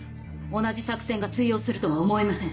同じ作戦が通用するとは思えません。